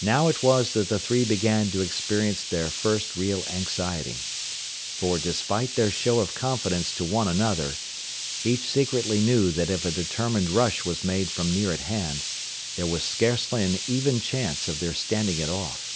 Now it was that the three began to experience their first real anxiety. For despite their show of confidence to one another, each secretly knew that if a determined rush was made from near at hand, there was scarcely an even chance of their standing it off.